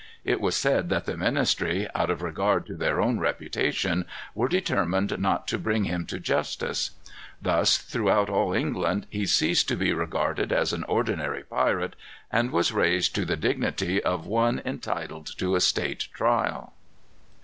It was said that the ministry, out of regard to their own reputation, were determined not to bring him to justice. Thus, throughout all England, he ceased to be regarded as an ordinary pirate, and was raised to the dignity of one entitled to a state trial.